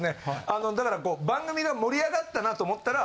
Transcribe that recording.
あのだから番組が盛り上がったなと思ったら。